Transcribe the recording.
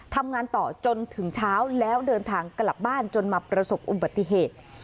ทำงานต่อจนถึงเช้าแล้วเดินทางกลับบ้านจนมาประสบอุบัติเหตุ